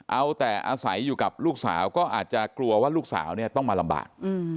เอาแต่อาศัยอยู่กับลูกสาวก็อาจจะกลัวว่าลูกสาวเนี่ยต้องมาลำบาก